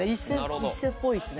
一生っぽいですね